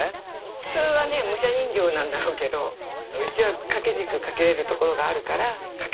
普通はね武者人形なんだろうけどうちは掛け軸掛けれる所があるから掛け軸にしました。